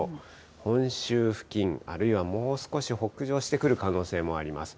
本州付近、あるいはもう少し北上してくる可能性もあります。